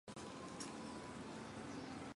全海笋属为海螂目鸥蛤科下的一个属。